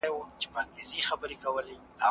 ده د شاعرانو هڅونه د فکر ودې سبب ګڼله.